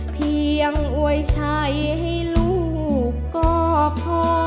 เพียงอวยชัยให้ลูกก็พอ